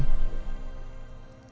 cháu cũng không thể tham gia